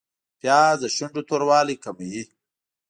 پیاز د شونډو توروالی کموي